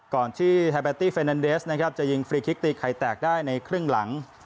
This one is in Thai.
ก่อนที่ไฮเบตตี้เฟนันเดสนะครับจะยิงฟรีคลิกตีไข่แตกได้ในครึ่งหลัง